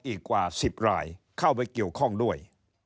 อีกกว่า๑๐รายเข้าไปเกี่ยวข้องด้วย